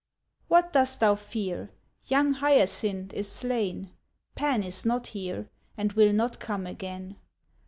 What dost thou fear? Young Hyacinth is slain, Pan is not here, And will not come again.